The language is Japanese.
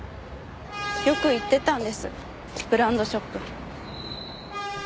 よく行ってたんですブランドショップ。